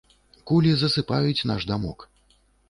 Кулі засыпаюць наш дамок.